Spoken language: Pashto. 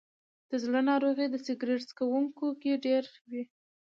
د زړه ناروغۍ د سګرټ څکونکو کې ډېرې وي.